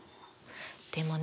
でもね